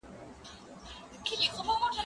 زه اجازه لرم چي وخت ونیسم؟!